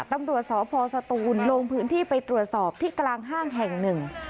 ตำรวจสพสตูนลงพื้นที่ไปตรวจสอบที่กลางห้างแห่งหนึ่ง